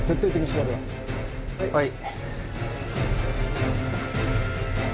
はい。